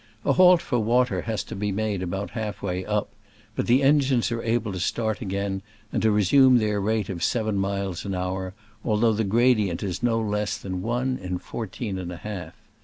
A halt for water has to be made about halfway up ; but the engines are able to start again, and to resume their rate of seven miles an hour, although the gradient is no less than one in fourteen and a half.